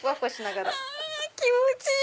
気持ちいい！